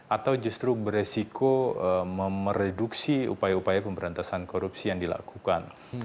atau justru beresiko memereduksi upaya upaya pemberantasan korupsi yang dilakukan